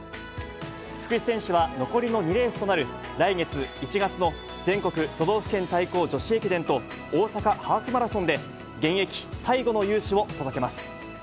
福士選手は残りの２レースとなる、来月・１月の全国都道府県対抗女子駅伝と、大阪ハーフマラソンで、現役最後の勇姿を届けます。